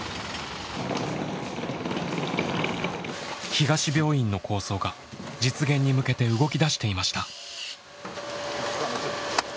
東病院の構想が実現に向けて動きだしていました。